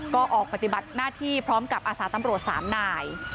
ก็ออกปฏิบัติหน้าที่พร้อมกับอาสาตำรวจ๓นาย